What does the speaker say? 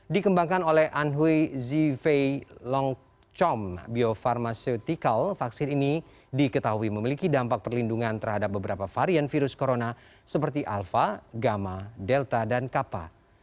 dikembangkan oleh anhui zivilongchom biopharmaceutical vaksin ini diketahui memiliki dampak perlindungan terhadap beberapa varian virus corona seperti alpha gamma delta dan kappa